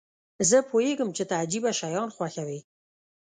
زه پوهیږم چې ته عجیبه شیان خوښوې.